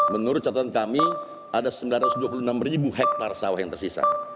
menurut catatan kami ada sembilan ratus dua puluh enam ribu hektare sawah yang tersisa